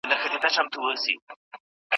وطن د زړه د سکون او اطمینان ځای دی.